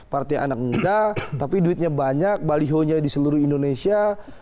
partai anak anak tapi duitnya banyak baliho nya di seluruh indonesia